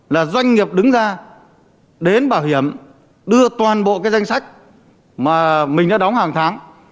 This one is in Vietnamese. là doanh nghiệp đứng ra đến bảo hiểm đưa toàn bộ cái danh sách mà mình đã đóng hàng tháng